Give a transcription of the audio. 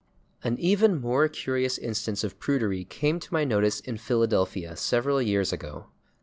An even more curious instance of prudery came to my notice in Philadelphia several years ago.